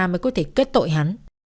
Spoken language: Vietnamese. mới có thể kết tội hắn